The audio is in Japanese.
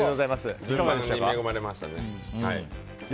順番に恵まれました。